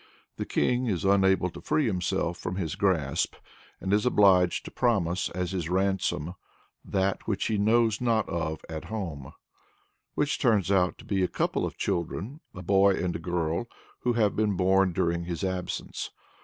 The king is unable to free himself from his grasp, and is obliged to promise as his ransom "that which he knows not of at home," which turns out to be a couple of children a boy and a girl who have been born during his absence.